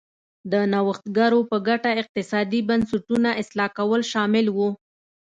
د نوښتګرو په ګټه اقتصادي بنسټونو اصلاح کول شامل و.